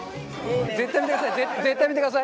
絶対にやめてください！